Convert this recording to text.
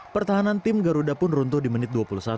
pertahanan tim garuda pun runtuh di menit dua puluh satu